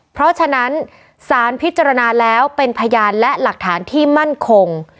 เพราะฉะนั้นสารพิจารณาแล้วเป็นพยานและหลักฐานที่มั่นคง